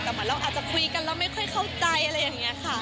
แต่เหมือนเราอาจจะคุยกันแล้วไม่ค่อยเข้าใจอะไรอย่างนี้ค่ะ